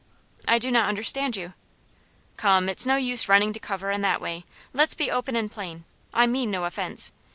"I do not understand you." "Come, it's no use running to cover in that way. Let's be open and plain. I mean no offence.